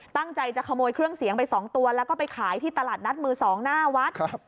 ตั้งใจจะขโมยเครื่องเสียงไป๒ตัวแล้วก็ไปขายที่ตลาดนัดมือ๒หน้าวัด